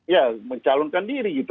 ya mencalonkan diri gitu